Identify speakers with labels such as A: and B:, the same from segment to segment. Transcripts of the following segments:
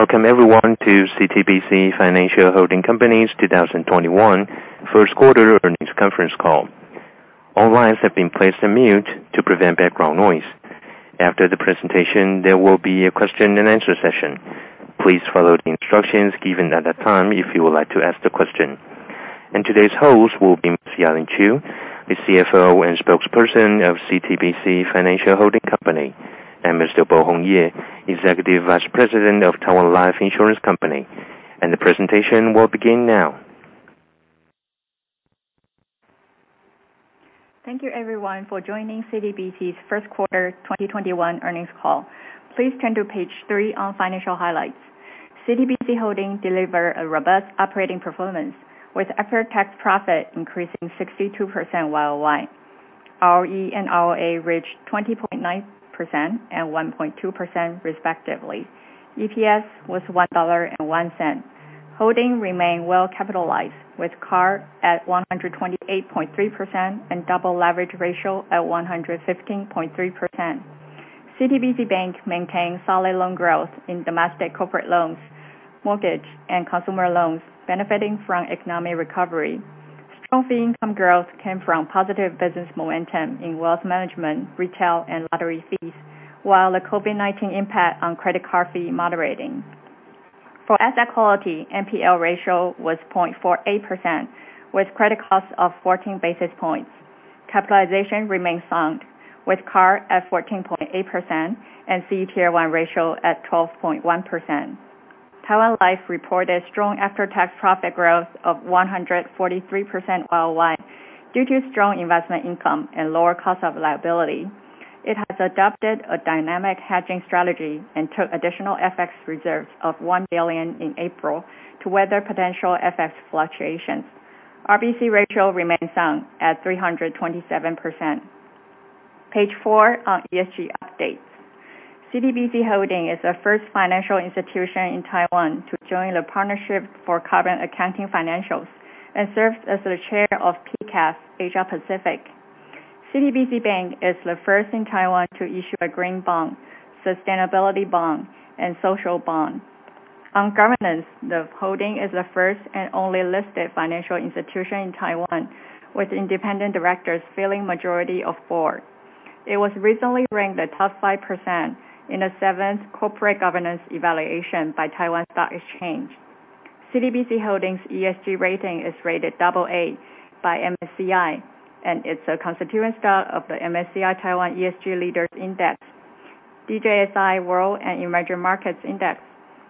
A: Welcome everyone to CTBC Financial Holding Company's 2021 first quarter earnings conference call. All lines have been placed on mute to prevent background noise. After the presentation, there will be a question and answer session. Please follow the instructions given at that time if you would like to ask the question. Today's host will be Ms. Ya-Ling Chiu, the CFO and Spokesperson of CTBC Financial Holding Company, and Mr. Bohong Ye, Executive Vice President of Taiwan Life Insurance Company. The presentation will begin now.
B: Thank you everyone for joining CTBC's first quarter 2021 earnings call. Please turn to page three on financial highlights. CTBC Holding delivered a robust operating performance, with after-tax profit increasing 62% YOY. ROE and ROA reached 20.9% and 1.2% respectively. EPS was 1.01 dollar. Holding remained well capitalized, with CAR at 128.3% and double leverage ratio at 115.3%. CTBC Bank maintained solid loan growth in domestic corporate loans, mortgage, and consumer loans, benefiting from economic recovery. Strong fee income growth came from positive business momentum in wealth management, retail, and lottery fees. While the COVID-19 impact on credit card fee moderating. For asset quality, NPL ratio was 0.48%, with credit costs of 14 basis points. Capitalization remains strong, with CAR at 14.8% and CET1 ratio at 12.1%. Taiwan Life reported strong after-tax profit growth of 143% YOY due to strong investment income and lower cost of liability. It has adopted a dynamic hedging strategy and took additional FX reserves of 1 billion in April to weather potential FX fluctuations. RBC ratio remains strong at 327%. Page four on ESG updates. CTBC Holding is the first financial institution in Taiwan to join the Partnership for Carbon Accounting Financials and serves as the Chair of PCAF Asia-Pacific. CTBC Bank is the first in Taiwan to issue a green bond, sustainability bond, and social bond. On governance, the holding is the first and only listed financial institution in Taiwan with independent directors filling majority of board. It was recently ranked the top 5% in the seventh corporate governance evaluation by Taiwan Stock Exchange. CTBC Holding's ESG rating is rated double A by MSCI, and it's a constituent stock of the MSCI Taiwan ESG Leaders Index, DJSI World & Emerging Markets Index,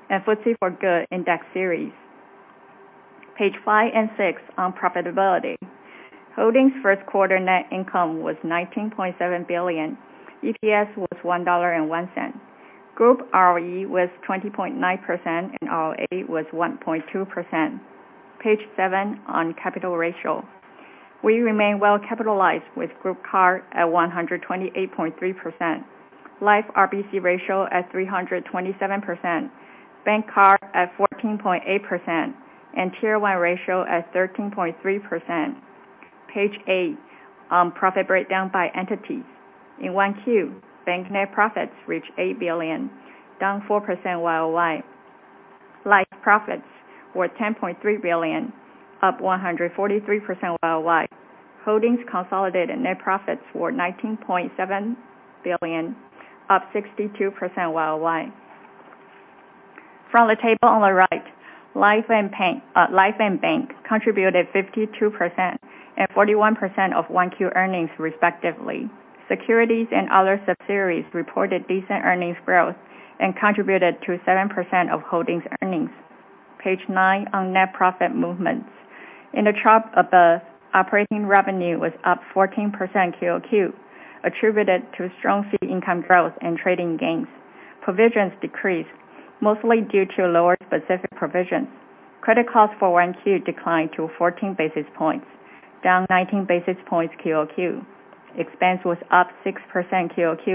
B: and FTSE4Good Index Series. Page five and six on profitability. Holding's first quarter net income was 19.7 billion. EPS was 1.01 dollar. Group ROE was 20.9%, and ROA was 1.2%. Page seven on capital ratio. We remain well capitalized with group CAR at 128.3%, Life RBC ratio at 327%, Bank CAR at 14.8%, and Tier 1 ratio at 13.3%. Page eight on profit breakdown by entities. In 1Q, bank net profits reached 8 billion, down 4% YOY. Life profits were 10.3 billion, up 143% YOY. Holding's consolidated net profits were 19.7 billion, up 62% YOY. From the table on the right, Life and Bank contributed 52% and 41% of 1Q earnings respectively. Securities and other subsidiaries reported decent earnings growth and contributed to 7% of Holding's earnings. Page nine on net profit movements. Operating revenue was up 14% QOQ, attributed to strong fee income growth and trading gains. Provisions decreased, mostly due to lower specific provisions. Credit costs for 1Q declined to 14 basis points, down 19 basis points quarter-over-quarter. Expense was up 6% quarter-over-quarter,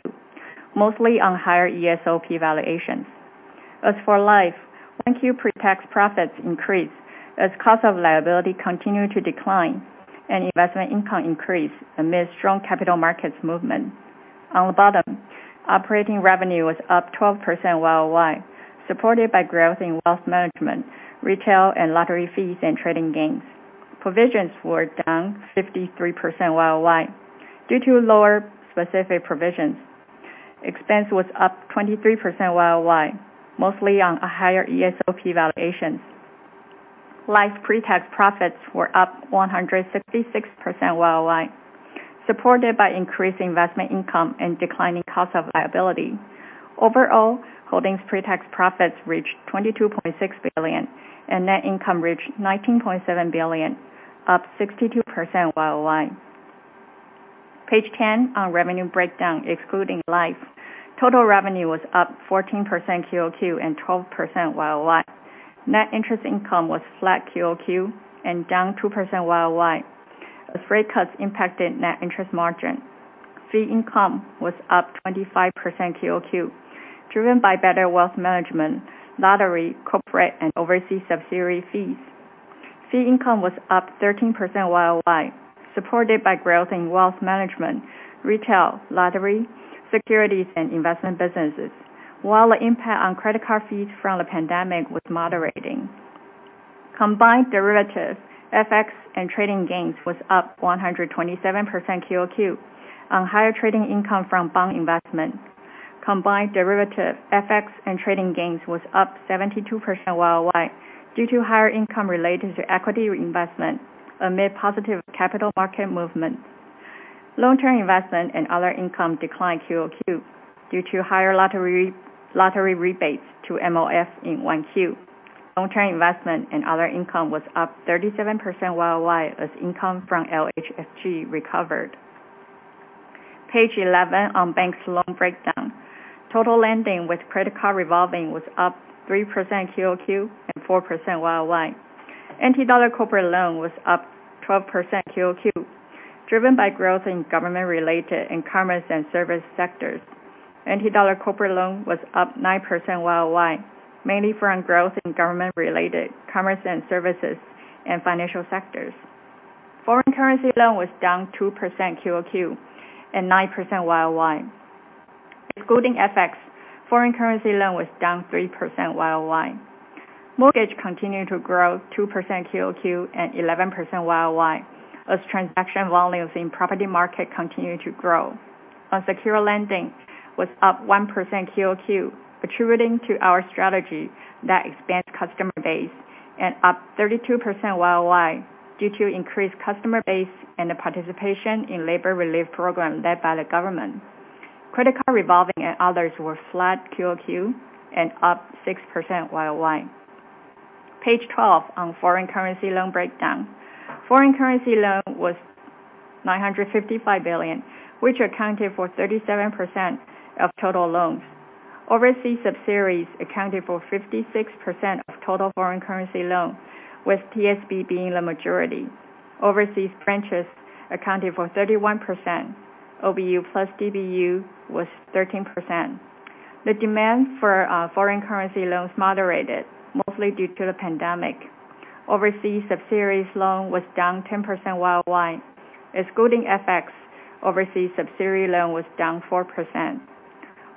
B: mostly on higher ESOP valuations. As for Life, 1Q pre-tax profits increased as cost of liability continued to decline and investment income increased amidst strong capital markets movement. On the bottom, operating revenue was up 12% year-over-year, supported by growth in wealth management, retail, and lottery fees and trading gains. Provisions were down 53% year-over-year due to lower specific provisions. Expense was up 23% year-over-year, mostly on higher ESOP valuations. Life pre-tax profits were up 166% year-over-year, supported by increased investment income and declining cost of liability. Overall, Holding's pre-tax profits reached 22.6 billion, and net income reached 19.7 billion, up 62% year-over-year. Page 10 on revenue breakdown excluding Life. Total revenue was up 14% quarter-over-quarter and 12% year-over-year. Net interest income was flat quarter-over-quarter and down 2% year-over-year, as rate cuts impacted net interest margin. Fee income was up 25% quarter-over-quarter, driven by better wealth management, lottery, corporate, and overseas subsidiary fees. Fee income was up 13% year-over-year, supported by growth in wealth management, retail, lottery, securities, and investment businesses. While the impact on credit card fees from the pandemic was moderating. Combined derivatives, FX, and trading gains was up 127% quarter-over-quarter on higher trading income from bond investment. Combined derivative, FX, and trading gains was up 72% year-over-year due to higher income related to equity investment amid positive capital market movement. Long-term investment and other income declined quarter-over-quarter due to higher lottery rebates to Ministry of Finance in 1Q. Long-term investment and other income was up 37% year-over-year as income from LHSG recovered. Page 11 on banks loan breakdown. Total lending with credit card revolving was up 3% quarter-over-quarter and 4% year-over-year. NT dollar corporate loan was up 12% quarter-over-quarter, driven by growth in government-related and commerce and service sectors. NT dollar corporate loan was up 9% year-over-year, mainly from growth in government-related commerce and services and financial sectors. Foreign currency loan was down 2% quarter-over-quarter and 9% year-over-year. Excluding FX, foreign currency loan was down 3% year-over-year. Mortgage continued to grow 2% quarter-over-quarter and 11% year-over-year as transaction volumes in property market continued to grow. On secure lending, was up 1% quarter-over-quarter, attributing to our strategy that expands customer base, and up 32% year-over-year due to increased customer base and the participation in labor relief program led by the government. Credit card revolving and others were flat quarter-over-quarter and up 6% year-over-year. Page 12 on foreign currency loan breakdown. Foreign currency loan was 955 billion, which accounted for 37% of total loans. Overseas subsidiaries accounted for 56% of total foreign currency loan, with TSB being the majority. Overseas branches accounted for 31%. OBU plus DBU was 13%. The demand for foreign currency loans moderated mostly due to the pandemic. Overseas subsidiaries loan was down 10% year-over-year. Excluding FX, overseas subsidiary loan was down 4%.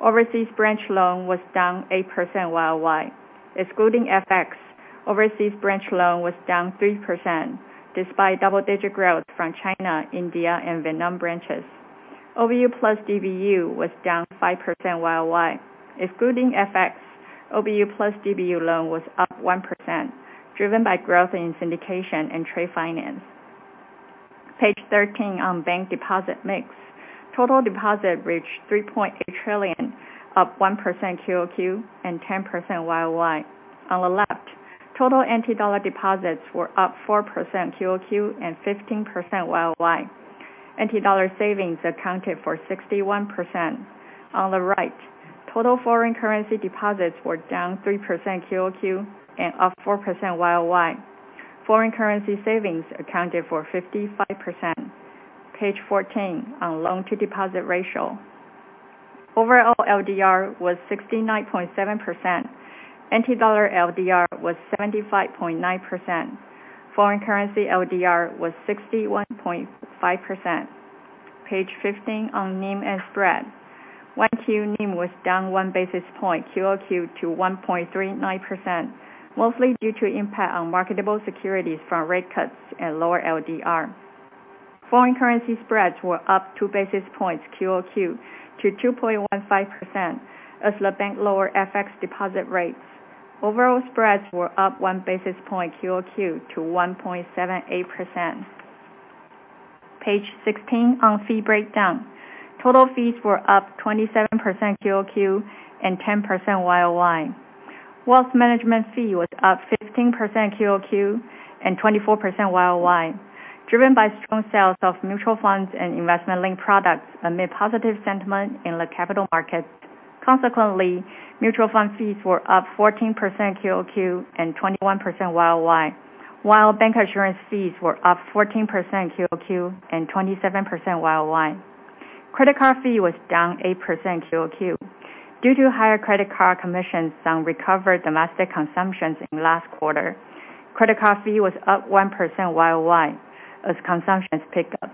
B: Overseas branch loan was down 8% year-over-year. Excluding FX, overseas branch loan was down 3%, despite double-digit growth from China, India, and Vietnam branches. OBU plus DBU was down 5% year-over-year. Excluding FX, OBU plus DBU loan was up 1%, driven by growth in syndication and trade finance. Page 13 on bank deposit mix. Total deposit reached 3.8 trillion, up 1% quarter-over-quarter and 10% year-over-year. On the left, total NT dollar deposits were up 4% quarter-over-quarter and 15% year-over-year. NT dollar savings accounted for 61%. On the right, total foreign currency deposits were down 3% QOQ and up 4% YOY. Foreign currency savings accounted for 55%. Page 14 on loan to deposit ratio. Overall, LDR was 69.7%. NT dollar LDR was 75.9%. Foreign currency LDR was 61.5%. Page 15 on NIM and spread. 1Q NIM was down 1 basis point QOQ to 1.39%, mostly due to impact on marketable securities from rate cuts and lower LDR. Foreign currency spreads were up 2 basis points QOQ to 2.15% as the bank lowered FX deposit rates. Overall spreads were up 1 basis point QOQ to 1.78%. Page 16 on fee breakdown. Total fees were up 27% QOQ and 10% YOY. Wealth management fee was up 15% QOQ and 24% YOY, driven by strong sales of mutual funds and investment-linked products amid positive sentiment in the capital markets. Consequently, mutual fund fees were up 14% QOQ and 21% YOY, while bank assurance fees were up 14% QOQ and 27% YOY. Credit card fee was down 8% QOQ due to higher credit card commissions on recovered domestic consumptions in last quarter. Credit card fee was up 1% YOY as consumptions pick up.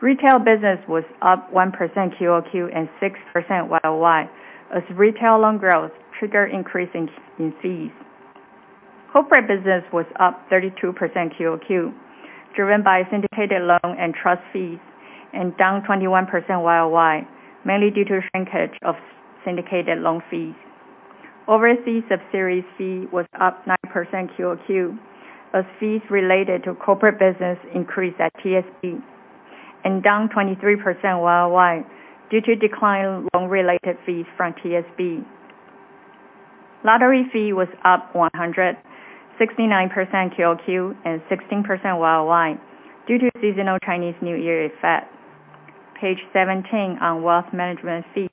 B: Retail business was up 1% QOQ and 6% YOY as retail loan growth trigger increase in fees. Corporate business was up 32% QOQ, driven by syndicated loan and trust fees, and down 21% YOY, mainly due to shrinkage of syndicated loan fees. Overseas subsidiary fee was up 9% QOQ as fees related to corporate business increased at TSB, and down 23% YOY due to decline in loan-related fees from TSB. Lottery fee was up 169% QOQ and 16% YOY due to seasonal Chinese New Year effect. Page 17 on wealth management fee.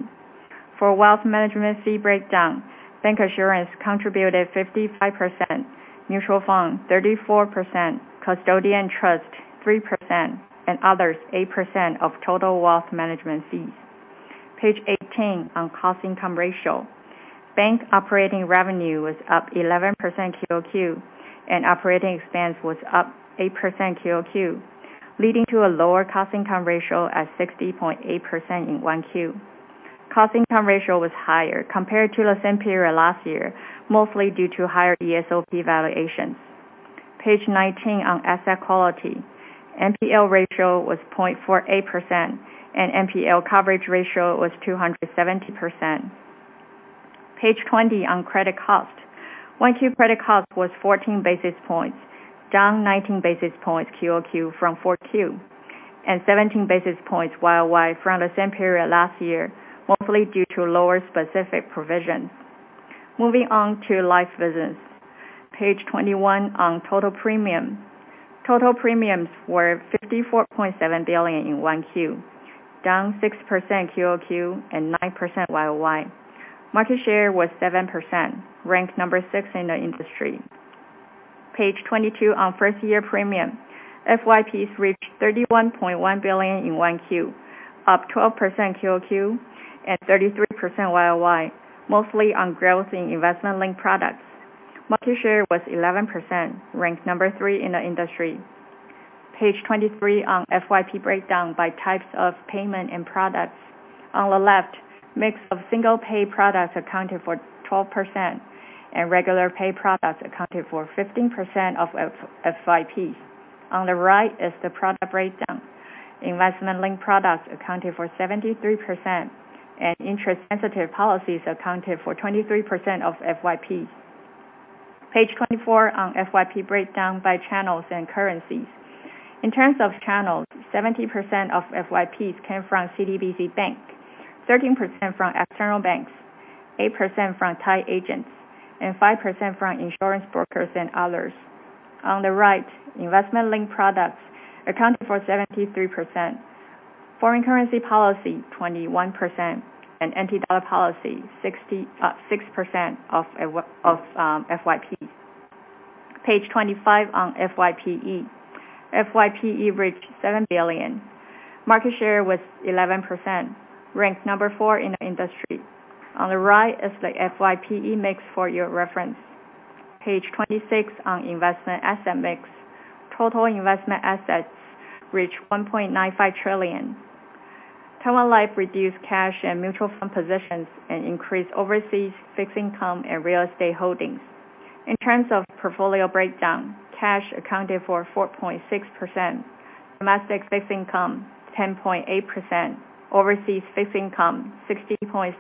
B: For wealth management fee breakdown, bank assurance contributed 55%, mutual fund 34%, custodian trust 3%, and others 8% of total wealth management fees. Page 18 on cost income ratio. Bank operating revenue was up 11% QOQ, and operating expense was up 8% QOQ, leading to a lower cost income ratio at 60.8% in 1Q. Cost income ratio was higher compared to the same period last year, mostly due to higher ESOP valuations. Page 19 on asset quality. NPL ratio was 0.48%, and NPL coverage ratio was 270%. Page 20 on credit cost. 1Q credit cost was 14 basis points, down 19 basis points QOQ from 4Q, and 17 basis points YOY from the same period last year, mostly due to lower specific provisions. Moving on to life business. Page 21 on total premium. Total premiums were 54.7 billion in 1Q, down 6% QOQ and 9% YOY. Market share was 7%, ranked number 6 in the industry. Page 22 on first-year premium. FYPs reached 31.1 billion in 1Q, up 12% QOQ and 33% YOY, mostly on growth in investment-linked products. Market share was 11%, ranked number 3 in the industry. Page 23 on FYP breakdown by types of payment and products. On the left, mix of single-pay products accounted for 12%, and regular pay products accounted for 15% of FYPs. On the right is the product breakdown. Investment-linked products accounted for 73%, and interest-sensitive policies accounted for 23% of FYPs. Page 24 on FYP breakdown by channels and currencies. In terms of channels, 70% of FYPs came from CTBC Bank, 13% from external banks, 8% from tied agents, and 5% from insurance brokers and others. On the right, investment-linked products accounted for 73%, foreign currency policy 21%, and NT dollar policy 6% of FYPs. Page 25 on FYPE. FYPE reached 7 billion. Market share was 11%, ranked number four in the industry. On the right is the FYPE mix for your reference. Page 26 on investment asset mix. Total investment assets reached 1.95 trillion Taiwan dollars. Taiwan Life reduced cash and mutual fund positions and increased overseas fixed income and real estate holdings. In terms of portfolio breakdown, cash accounted for 4.6%, domestic fixed income 10.8%, overseas fixed income 60.7%,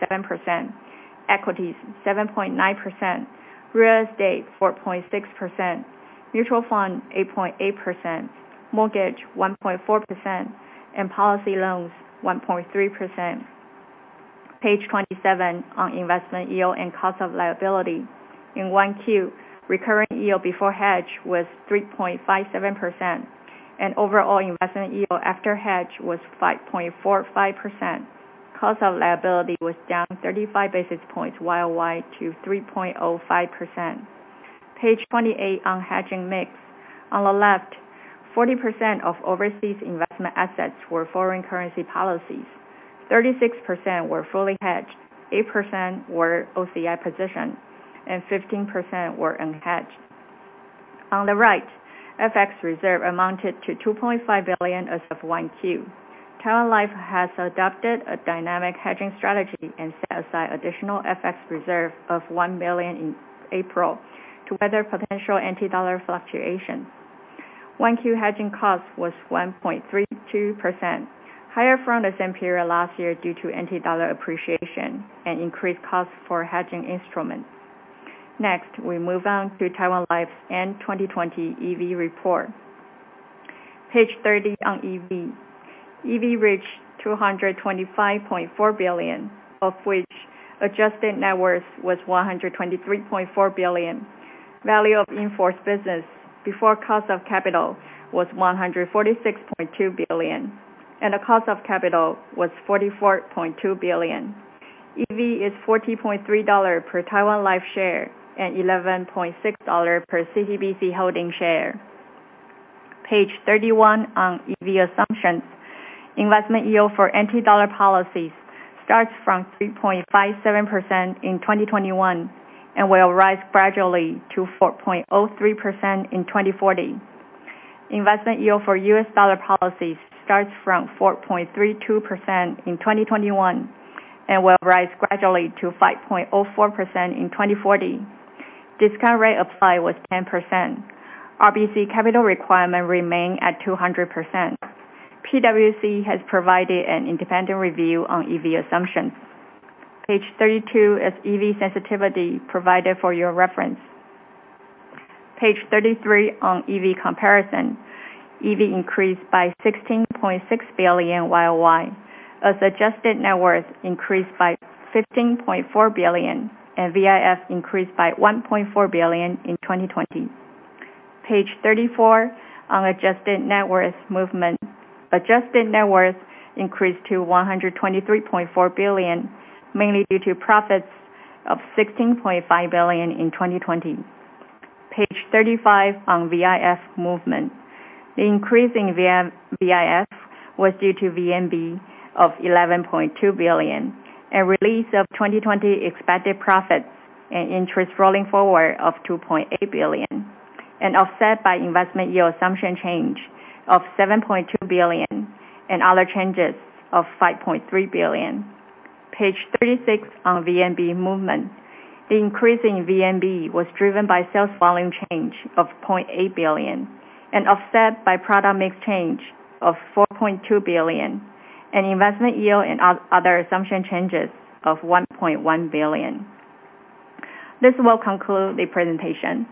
B: equities 7.9%, real estate 4.6%, mutual fund 8.8%, mortgage 1.4%, and policy loans 1.3%. Page 27 on investment yield and cost of liability. In one Q, recurring yield before hedge was 3.57%, and overall investment yield after hedge was 5.45%. Cost of liability was down 35 basis points YOY to 3.05%. Page 28 on hedging mix. On the left, 40% of overseas investment assets were foreign currency policies, 36% were fully hedged, 8% were OCI position, and 15% were unhedged. On the right, FX reserve amounted to 2.5 billion as of one Q. Taiwan Life has adopted a dynamic hedging strategy and set aside additional FX reserve of 1 billion in April to weather potential NT dollar fluctuation. One Q hedging cost was 1.32%, higher from the same period last year due to NT dollar appreciation and increased costs for hedging instruments. Next, we move on to Taiwan Life's end 2020 EV report. Page 30 on EV. EV reached 225.4 billion, of which adjusted net worth was 123.4 billion. Value of in-force business before cost of capital was 146.2 billion, and the cost of capital was 44.2 billion. EV is 40.3 dollars per Taiwan Life share and 11.6 dollars per CTBC Holding share. Page 31 on EV assumptions. Investment yield for NT dollar policies starts from 3.57% in 2021 and will rise gradually to 4.03% in 2040. Investment yield for US dollar policies starts from 4.32% in 2021 and will rise gradually to 5.04% in 2040. Discount rate applied was 10%. RBC capital requirement remained at 200%. PwC has provided an independent review on EV assumptions. Page 32 is EV sensitivity provided for your reference. Page 33 on EV comparison. EV increased by 16.6 billion YOY, as adjusted net worth increased by 15.4 billion, and VIF increased by 1.4 billion in 2020. Page 34 on adjusted net worth movement. Adjusted net worth increased to TWD 123.4 billion, mainly due to profits of TWD 16.5 billion in 2020. Page 35 on VIF movement. The increase in VIF was due to VNB of 11.2 billion, a release of 2020 expected profits and interest rolling forward of 2.8 billion, and offset by investment yield assumption change of 7.2 billion and other changes of 5.3 billion. Page 36 on VNB movement. The increase in VNB was driven by sales volume change of 0.8 billion and offset by product mix change of 4.2 billion and investment yield and other assumption changes of 1.1 billion. This will conclude the presentation.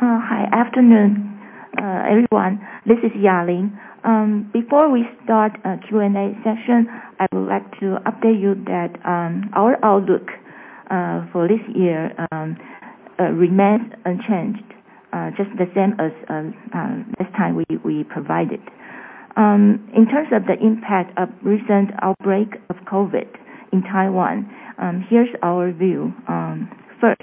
C: Hi. Afternoon, everyone. This is Ya-Ling. Before we start Q&A session, I would like to update you that our outlook for this year remains unchanged, just the same as last time we provided. In terms of the impact of recent outbreak of COVID in Taiwan, here is our view. First,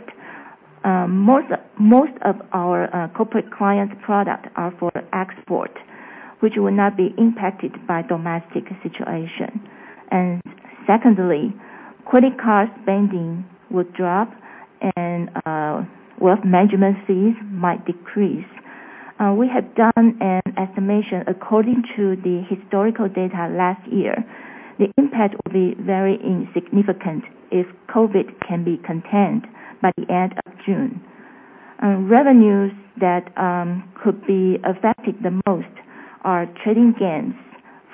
C: most of our corporate clients' product are for export, which will not be impacted by domestic situation. Secondly, credit card spending would drop, and wealth management fees might decrease. We have done an estimation according to the historical data last year. The impact will be very insignificant if COVID can be contained by the end of June. Revenues that could be affected the most are trading gains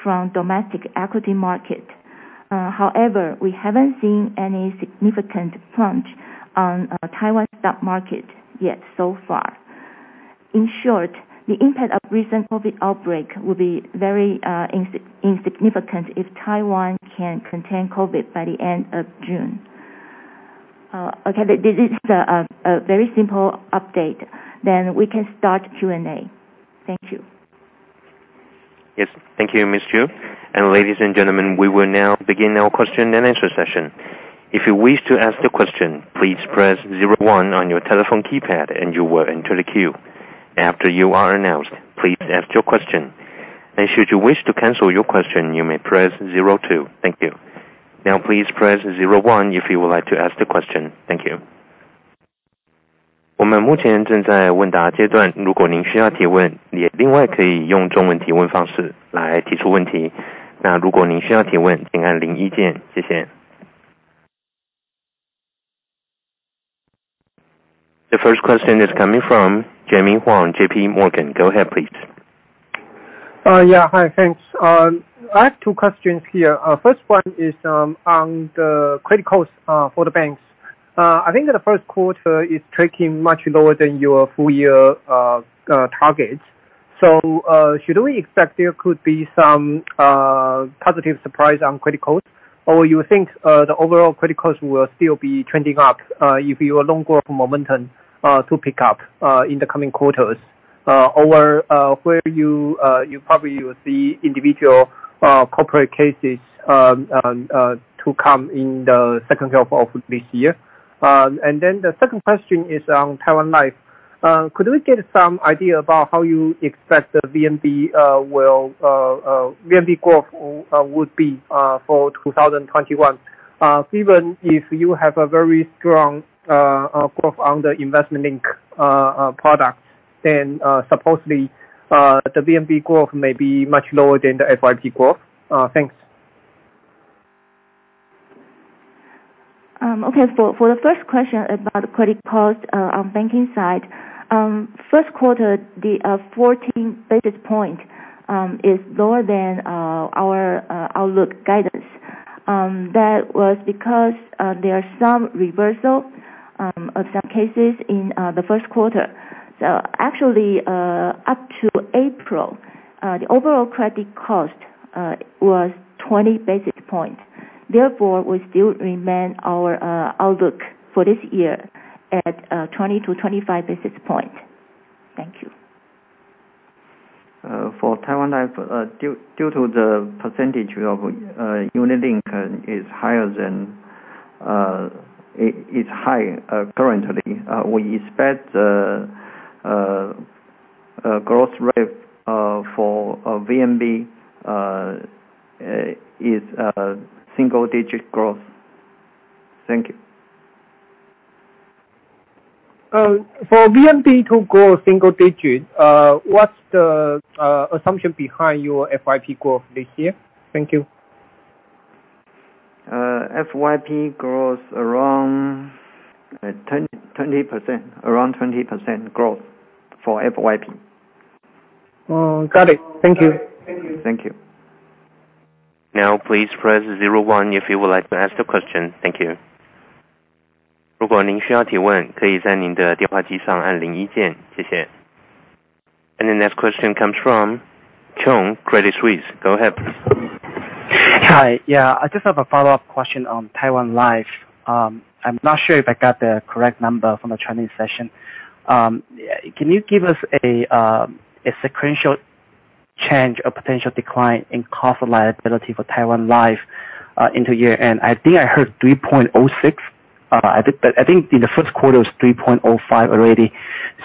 C: from domestic equity market. However, we haven't seen any significant plunge on Taiwan stock market yet so far. In short, the impact of recent COVID outbreak will be very insignificant if Taiwan can contain COVID by the end of June. Okay. This is a very simple update, then we can start Q&A. Thank you.
A: Yes. Thank you, Ms. Chiu. Ladies and gentlemen, we will now begin our question and answer session. If you wish to ask the question, please press zero one on your telephone keypad and you will enter the queue. After you are announced, please ask your question. Should you wish to cancel your question, you may press zero two. Thank you. Now please press zero one if you would like to ask the question. Thank you. The first question is coming from Jimmy Huang, JP Morgan. Go ahead, please.
D: Yeah. Hi, thanks. I have two questions here. First one is on the credit cost for the banks. I think that the first quarter is tracking much lower than your full year targets. Should we expect there could be some positive surprise on credit cost or you think the overall credit cost will still be trending up if your loan growth momentum to pick up in the coming quarters? Or where you probably will see individual corporate cases to come in the second half of this year. Then the second question is on Taiwan Life. Could we get some idea about how you expect the VNB growth would be for 2021? Even if you have a very strong growth on the unit-linked products, then supposedly the VNB growth may be much lower than the FYP growth. Thanks.
C: For the first question about credit cost on banking side. First quarter, the 14 basis points is lower than our outlook guidance. That was because there are some reversal of some cases in the first quarter. Actually, up to April, the overall credit cost was 20 basis points. We still remain our outlook for this year at 20 to 25 basis points. Thank you.
B: For Taiwan Life, due to the percentage of unit-linked is high currently, we expect growth rate for VNB is single-digit growth. Thank you.
D: For VNB to grow single-digit, what is the assumption behind your FYP growth this year? Thank you.
B: FYP growth around 20% growth for FYP.
D: Got it. Thank you.
B: Thank you.
A: Please press 01 if you would like to ask the question. Thank you. The next question comes from Chung, Credit Suisse. Go ahead, please.
E: Hi. Yeah. I just have a follow-up question on Taiwan Life. I am not sure if I got the correct number from the Chinese session. Can you give us a sequential change or potential decline in cost of liability for Taiwan Life, into year-end. I think I heard 3.06. I think in the first quarter it was 3.05 already.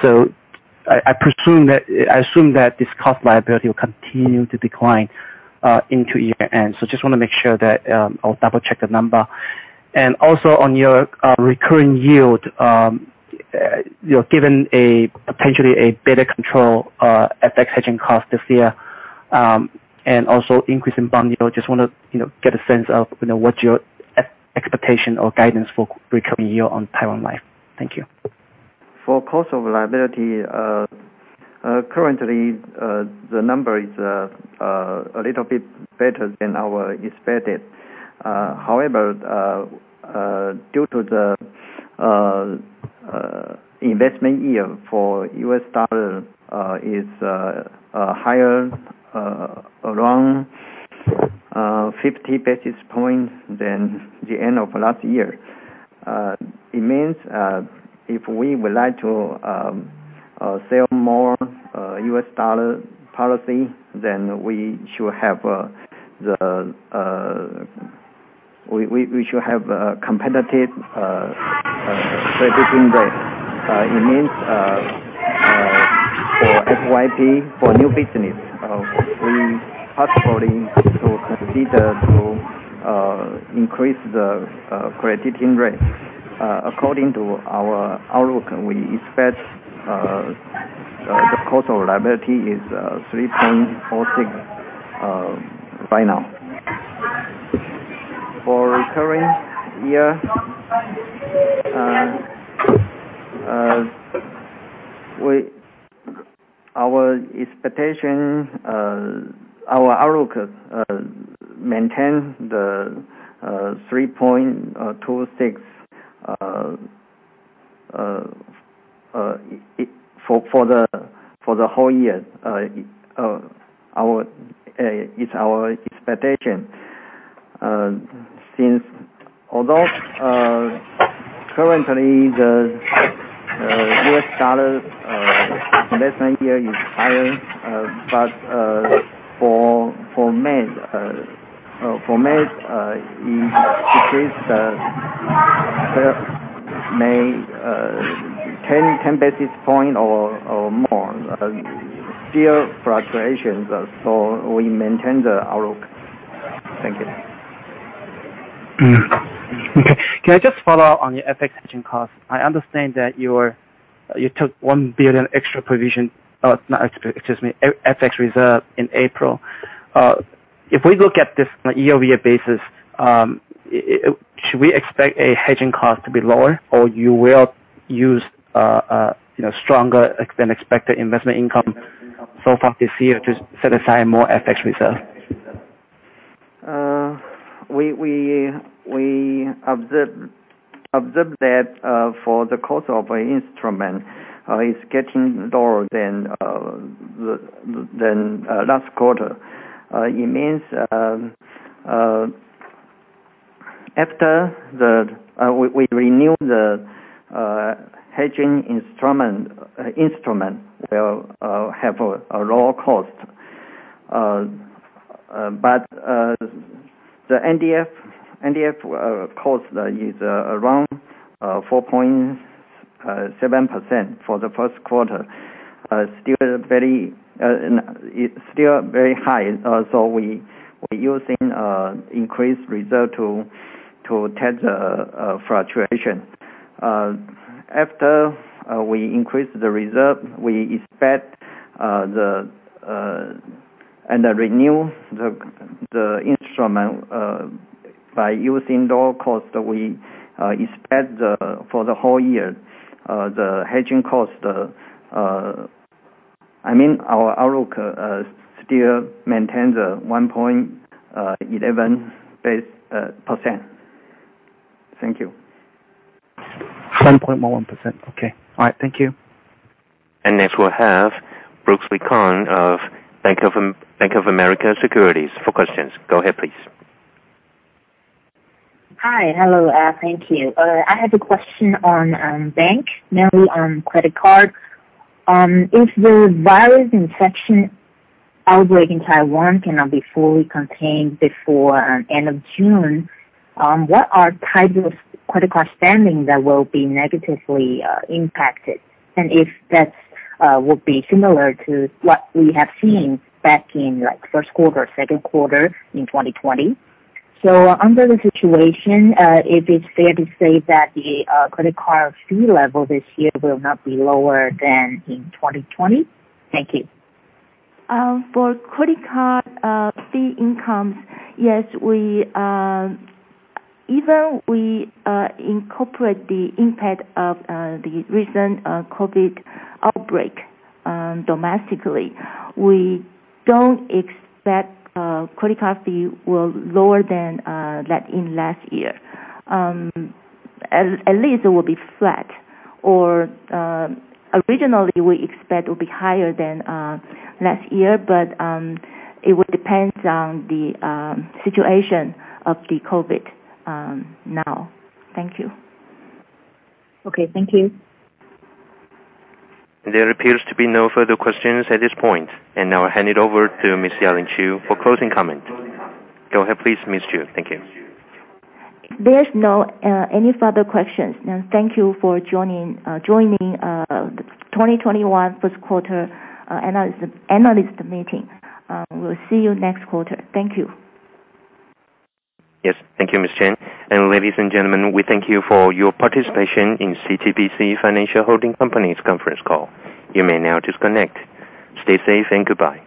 E: I assume that this cost liability will continue to decline, into year-end. Just want to make sure that, I will double check the number. Also on your recurring yield, given potentially a better control FX hedging cost this year, and also increase in bond yield, just want to get a sense of what your expectation or guidance for recurring yield on Taiwan Life. Thank you.
B: For cost of liability, currently, the number is a little bit better than our expected. Due to the investment yield for U.S. dollar is higher, around 50 basis points than the end of last year. If we would like to sell more U.S. dollar policy, we should have a competitive crediting rate. For FYP, for new business, we possibly to consider to increase the crediting rate. According to our outlook, we expect the cost of liability is 3.46% right now. For recurring year, our outlook maintains the 3.26% for the whole year. It's our expectation. Although currently the U.S. dollar investment yield is higher, for May, it decreased 10 basis points or more. Still fluctuations, so we maintain the outlook.
E: Thank you. Okay. Can I just follow up on your FX hedging cost? I understand that you took 1 billion extra FX reserve in April. If we look at this on a year-over-year basis, should we expect a hedging cost to be lower, or you will use stronger than expected investment income so far this year to set aside more FX reserve?
B: We observed that for the cost of instrument is getting lower than last quarter. After we renew the hedging instrument, we'll have a lower cost. The NDF cost is around 4.7% for the first quarter. Still very high, so we using increased reserve to tame the fluctuation. After we increase the reserve and renew the instrument by using lower cost, we expect for the whole year, the hedging cost. Our outlook still maintain the 1.11%. Thank you.
E: 1.11%. Okay. All right. Thank you.
A: Next we'll have Brooks Lekan of Bank of America Securities for questions. Go ahead, please.
F: Hi. Hello. Thank you. I have a question on bank, mainly on credit card. If the virus infection outbreak in Taiwan cannot be fully contained before end of June, what are types of credit card spending that will be negatively impacted? If that will be similar to what we have seen back in first quarter, second quarter in 2020. Under the situation, if it's fair to say that the credit card fee level this year will not be lower than in 2020? Thank you.
C: For credit card fee incomes, yes, even we incorporate the impact of the recent COVID outbreak domestically, we don't expect credit card fee will lower than that in last year. At least it will be flat, or originally, we expect will be higher than last year, but it would depends on the situation of the COVID now. Thank you.
F: Okay. Thank you.
A: There appears to be no further questions at this point. Now I hand it over to Ms. Ya-Ling Chiu for closing comment. Go ahead please, Ms. Chiu. Thank you.
C: There's no any further questions. Thank you for joining the 2021 first quarter analyst meeting. We'll see you next quarter. Thank you.
A: Yes. Thank you, Ms. Chiu. Ladies and gentlemen, we thank you for your participation in CTBC Financial Holding Company's conference call. You may now disconnect. Stay safe and goodbye.